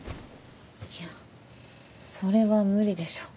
いやそれは無理でしょ。